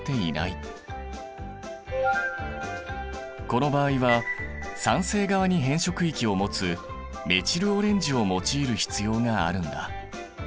この場合は酸性側に変色域を持つメチルオレンジを用いる必要があるんだ。